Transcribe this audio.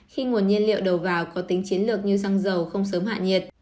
khi nguồn nhiên liệu đầu vào có tính chiến lược như xăng dầu không sớm hạ nhiệt